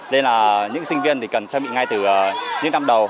nên là những sinh viên thì cần trang bị ngay từ những năm đầu